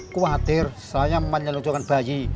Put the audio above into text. kuatir saya memang nyelucukan bayi